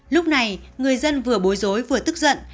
lúc này người dân vừa bối rối vừa tức giận